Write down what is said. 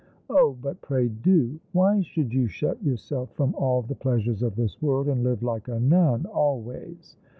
" Oh, but pray do ! Why should you shut yourself from all the pleasures of this world, and live like a nun, always